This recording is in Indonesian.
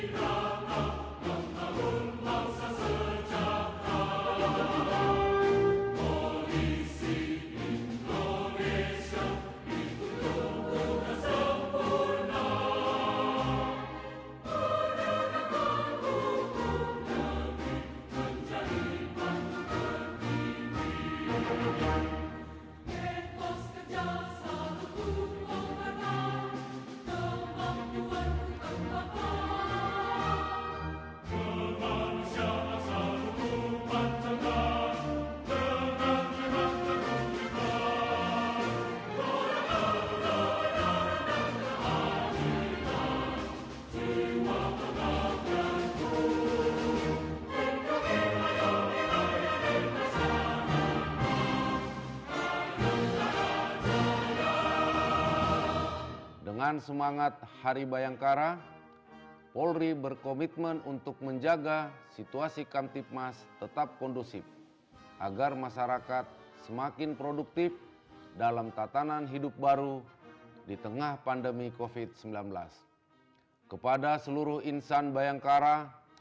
kops bayangkara terus berkomitmen untuk teguh memberikan pengabdian jiwa dan raga